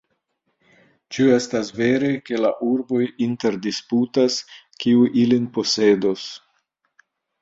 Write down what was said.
Ĉu estas vere, ke la urboj interdisputas, kiu ilin posedos?